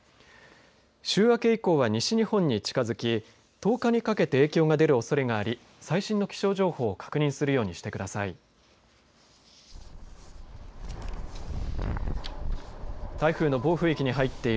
週明け以降は西日本に近づき１０日にかけて影響が出るおそれがあり最新の気象情報を確認するようにしてください。